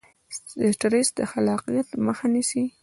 سټرس د خلاقیت مخه نیسي.